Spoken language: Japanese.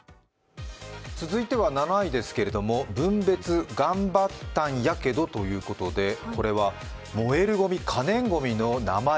続いては７位ですけれども、分別頑張ったんやけどということでこれは燃えるごみ、可燃ごみの名前